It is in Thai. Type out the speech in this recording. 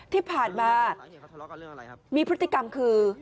ที่ผ่านมามีพฤติกรรมคือ